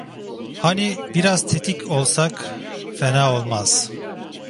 Hani biraz tetik olsak fena olmaz…